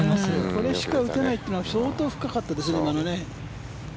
これしか打てないというのは相当深かったですね、今のね。